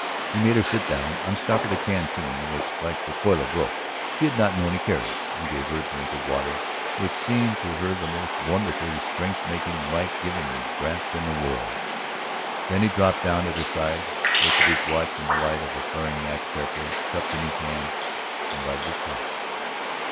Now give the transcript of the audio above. He made her sit down, unstoppered a canteen which, like the coil of rope, she had not known he carried, and gave her a drink of water which seemed to her the most wonderfully strength making, life giving draft in the world. Then he dropped down at her side, looked at his watch in the light of a flaring match carefully cupped in his hand, and lighted his pipe.